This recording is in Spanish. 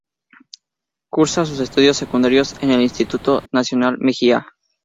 Cursa sus estudios secundarios en el Instituto Nacional Mejía.